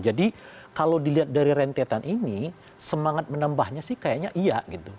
jadi kalau dilihat dari rentetan ini semangat menambahnya sih kayaknya iya gitu